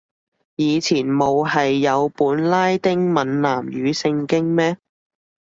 以前冇係有本拉丁閩南語聖經咩